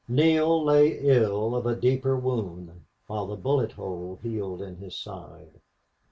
Neale lay ill of a deeper wound while the bullet hole healed in his side.